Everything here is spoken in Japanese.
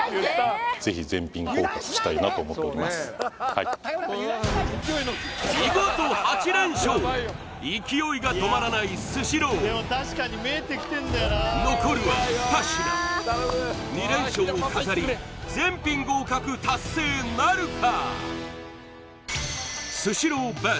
はい見事８連勝勢いが止まらないスシロー残るは２品２連勝を飾り全品合格達成なるか？